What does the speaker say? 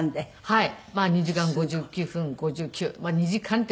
はい。